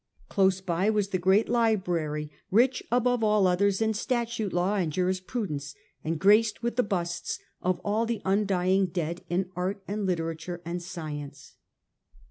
Close by was the great library, rich above all others in statute law and jurisprudence, and graced with the busts of all the undying dead in art and literature and science.